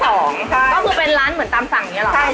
ก็คือเป็นร้านเหมือนตามสั่งอย่างนี้หรอครับ